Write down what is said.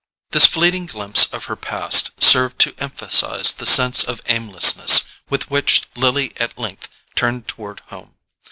This fleeting glimpse of her past served to emphasize the sense of aimlessness with which Lily at length turned toward home.